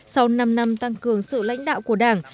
sau năm năm tăng cường sự lãnh đạo của đảng